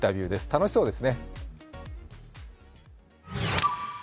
楽しそうですね。